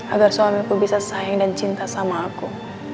agar suamiku bisa sayang dan cinta sama aku